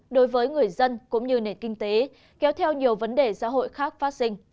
đối với người dân cũng như nền kinh tế kéo theo nhiều vấn đề xã hội khác phát sinh